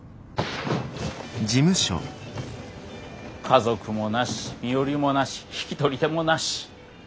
家族もなし身寄りもなし引き取り手もなし。